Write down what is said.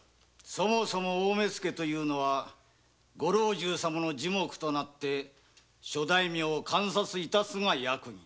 そもそも大目付というのはご老中様の耳目となって諸大名を監察致すが役儀。